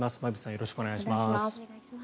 よろしくお願いします。